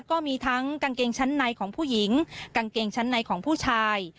ก็มีทั้งกางเกงชั้นในของผู้หญิงกางเกงชั้นในของผู้ชาย